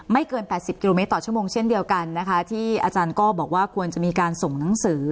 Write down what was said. เกิน๘๐กิโลเมตรต่อชั่วโมงเช่นเดียวกันนะคะที่อาจารย์ก็บอกว่าควรจะมีการส่งหนังสือ